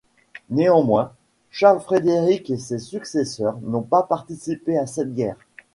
Néanmoins, Charles Frédéric et ses successeurs n'ont pas participé à cette guerre.